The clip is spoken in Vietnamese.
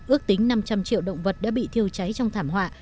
ước tính năm trăm linh triệu động vật đã bị thiêu cháy trong thảm họa